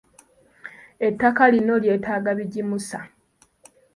Attaka lino lyetaaga bigimusa.